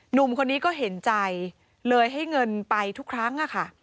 หนุ่มคนนี้ก็เห็นใจเลยให้เงินไปทุกครั้งค่ะ